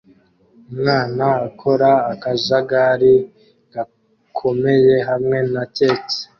Umwana akora akajagari gakomeye hamwe na keke